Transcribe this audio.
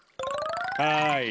はい。